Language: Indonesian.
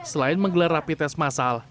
selain menggelar rapitens masal